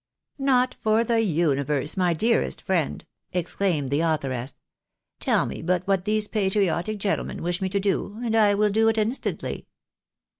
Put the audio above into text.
" Not for the universe, my dearest friend !" exclaimed the authoress. " Tell nie but what these patriotic gentlemen v/ish me to do, and I will do it instantly."